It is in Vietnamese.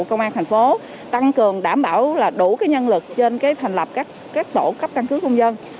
công an thành phố tăng cường đảm bảo đủ nhân lực trên thành lập các tổ cấp căn cứ công dân